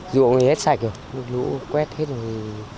ruộng thì hết sạch rồi nước lũ quét hết rồi